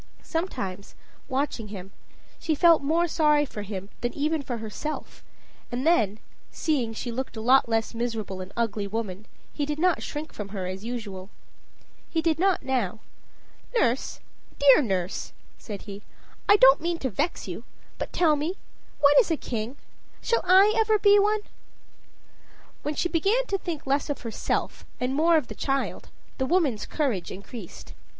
Sometimes, watching him, she felt more sorry for him than even for herself; and then, seeing she looked a less miserable and ugly woman, he did not shrink from her as usual. He did not now. "Nurse dear nurse," said he, "I don't mean to vex you, but tell me what is a king? shall I ever be one?" When she began to think less of herself and more of the child, the woman's courage increased.